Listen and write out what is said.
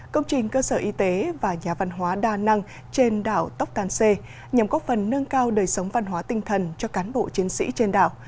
công trình cơ sở y tế và nhà văn hóa đa năng trên đảo tóc tàn xê nhằm góp phần nâng cao đời sống văn hóa tinh thần cho cán bộ chiến sĩ trên đảo